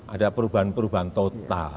ada perubahan perubahan total